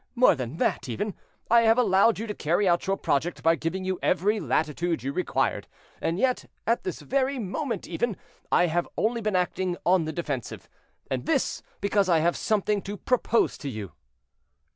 More than that, even, I have allowed you to carry out your project by giving you every latitude you required, and yet at this very moment even, I have only been acting on the defensive, and this, because I have something to propose to you."